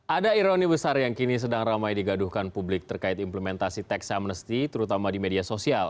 ada ironi besar yang kini sedang ramai digaduhkan publik terkait implementasi tax amnesty terutama di media sosial